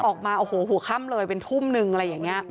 ออกมาโอ้โหหัวค่ำเลยเป็นทุ่มนึงอะไรอย่างนี้